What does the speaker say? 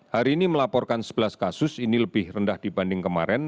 hari ini melaporkan sebelas kasus ini lebih rendah dibanding kemarin